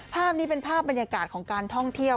ภาพนี้เป็นภาพบรรยากาศของการท่องเที่ยว